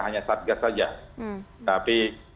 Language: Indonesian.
hanya satgas saja tapi